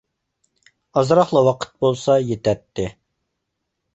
ئازراقلا ۋاقىت بولسا يېتەتتى.